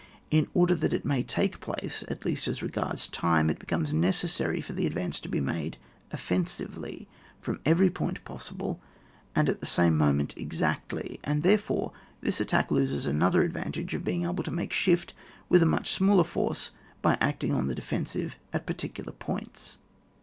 In order that it may take place, at least as regards time, it becomes necessary for the advance to be made offensively from every point possible, and at the same moment exactly: and therefore this attack loses the other advantage of being able to make shift with a much smaller force by acting on the defensive at particular points.